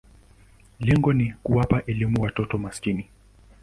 Lengo ni kuwapa elimu watoto maskini.